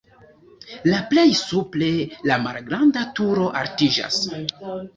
La plej supre la malgranda turo altiĝas.